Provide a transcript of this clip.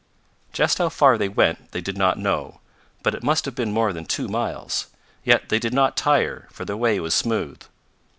Just how far they went they did not know, but it must have been more than two miles. Yet they did not tire, for the way was smooth.